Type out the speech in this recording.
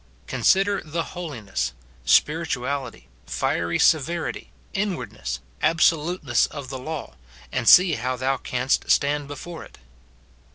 Consider the holiness, spirituality, fiery severity, inward ness, absoluteness of the law, and see how thou canst stand before it.